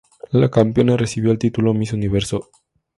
La campeona recibió el título "Miss Universo.